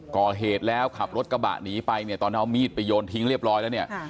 ก่อเหตุแล้วขับรถกระบะหนีไปเนี่ยตอนเอามีดไปโยนทิ้งเรียบร้อยแล้วเนี่ย